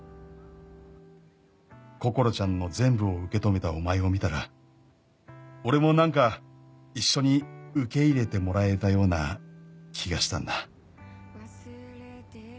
「こころちゃんの全部を受け止めたお前を見たら俺もなんか一緒に受け入れてもらえたような気がしたんだ」